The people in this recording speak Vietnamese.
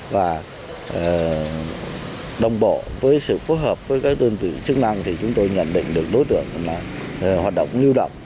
và đồng bộ với sự phối hợp với các đơn vị chức năng thì chúng tôi nhận định được đối tượng là hoạt động lưu động